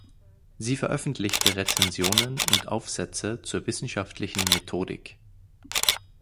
Sie veröffentlichte Rezensionen und Aufsätze zur wissenschaftlichen Methodik.